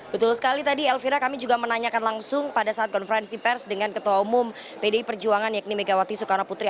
betul sekali tadi elvira kami juga menanyakan langsung pada saat konferensi pers dengan ketua umum pdi perjuangan yakni megawati soekarno putri